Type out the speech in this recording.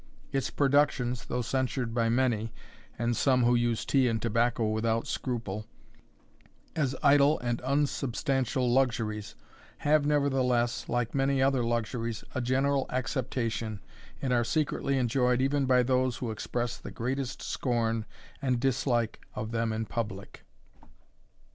Its productions, though censured by many (and some who use tea and tobacco without scruple) as idle and unsubstantial luxuries, have nevertheless, like many other luxuries, a general acceptation, and are secretly enjoyed even by those who express the greatest scorn and dislike of them in public.